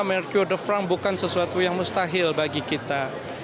mercure de franc bukan sesuatu yang mustahil bagi kita